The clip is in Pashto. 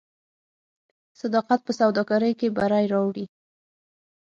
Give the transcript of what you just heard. صداقت په سوداګرۍ کې بری راوړي.